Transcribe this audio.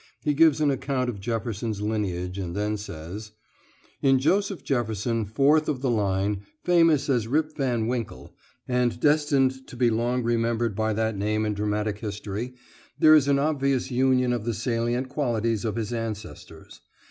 He gives an account of Jefferson's lineage, and then says: "In Joseph Jefferson, fourth of the line, famous as Rip Van Winkle, and destined to be long remembered by that name in dramatic history, there is an obvious union of the salient qualities of his ancestors.